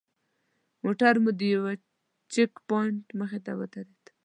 موټر مو د یوه چیک پواینټ مخې ته ودرېد.